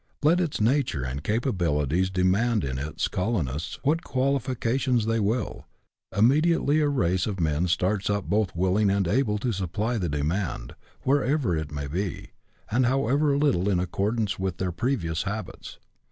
Let its nature and capabilities demand in, its colonists what qualifications they will, immediately a race of men starts up both willing and able to supply the demand, whatever it may be, and however little in accordance with their previous habits.